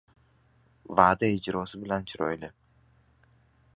Va’da ijrosi bilan chiroyli.